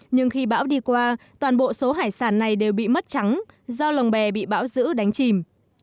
nhưng khi bão đi qua toàn bộ số hải sản này đều bị mất trắng do lồng bè bị bão giữ đánh chìm